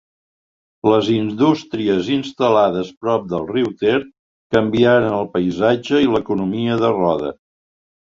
Les indústries instal·lades prop del riu Ter canviaren el paisatge i l'economia de Roda.